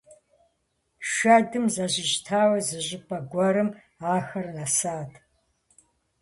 Шэдым зэщӀищтауэ зыщӀыпӀэ гуэрым ахэр нэсат.